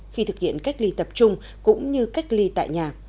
khi thực hiện cách ly tập trung cũng như cách ly tại nhà